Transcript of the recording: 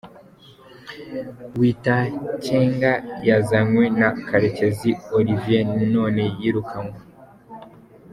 Witakenge yazanywe na Karekezi Olivier none yirukanwe.